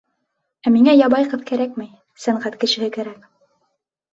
Ә миңә ябай ҡыҙ кәрәкмәй, сәнғәт кешеһе кәрәк.